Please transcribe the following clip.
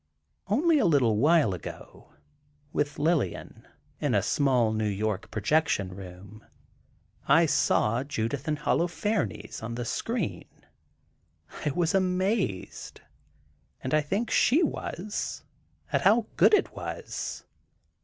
Only a little while ago, with Lillian, in a small New York projection room, I saw "Judith and Holofernes" on the screen. I was amazed, and I think she was, at how good it was.